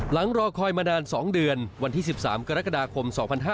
รอคอยมานาน๒เดือนวันที่๑๓กรกฎาคม๒๕๕๙